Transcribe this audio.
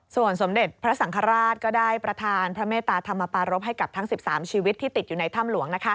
ส่วนสมเด็จพระสังฆราชก็ได้ประธานพระเมตตาธรรมปารพให้กับทั้ง๑๓ชีวิตที่ติดอยู่ในถ้ำหลวง